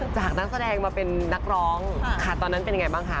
นักแสดงมาเป็นนักร้องค่ะตอนนั้นเป็นยังไงบ้างคะ